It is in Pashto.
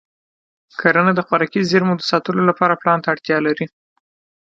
کرنه د خوراکي زېرمو د ساتلو لپاره پلان ته اړتیا لري.